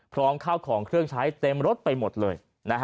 พร้อมข้าวของเครื่องใช้เต็มรถไปหมดเลย